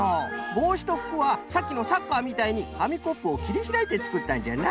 ぼうしとふくはさっきのサッカーみたいにかみコップをきりひらいてつくったんじゃな。